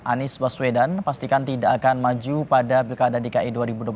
anies baswedan pastikan tidak akan maju pada pilkada dki dua ribu dua puluh